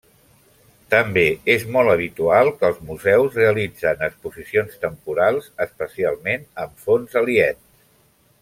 També és molt habitual que els museus realitzen exposicions temporals, especialment amb fons aliens.